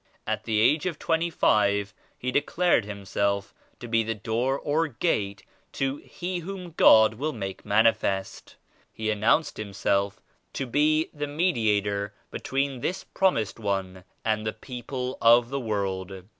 At the age of twenty five He declared Himself to be the *Door' or *Gate' to *He whom God will make manifest' He announced Himself to be the Mediator between this Promised One and the people of the world.